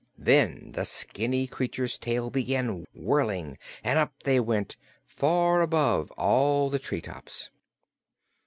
Then the skinny creature's tail began whirling and up they went, far above all the tree tops.